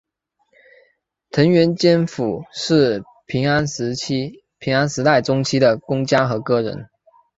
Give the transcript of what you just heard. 藤原兼辅是平安时代中期的公家和歌人。